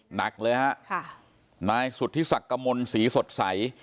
หนักเลยฮะค่ะนายสุดที่สักกะมลสีสดใส